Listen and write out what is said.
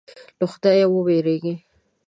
له خدایه وېرېږه.